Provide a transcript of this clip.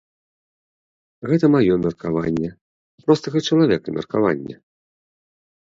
Гэта маё меркаванне, простага чалавека меркаванне.